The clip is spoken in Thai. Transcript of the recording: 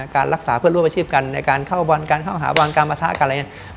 การรักษาเพื่อร่วมอาชีพกันในการเข้าบอลการเข้าหาบอลการประทะกันอะไรอย่างนี้